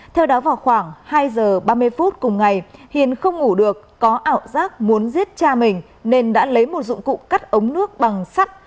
theo đó vào khoảng hai giờ ba mươi phút cùng ngày hiền không ngủ được có ảo giác muốn giết cha mình nên đã lấy một dụng cụ cắt ống nước bằng sắt